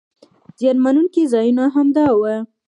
زیان مننونکي ځایونه همدا وو.